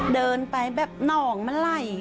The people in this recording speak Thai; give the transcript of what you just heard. เดินไปแบบหนองมันไหล